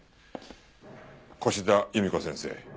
越田由美子先生。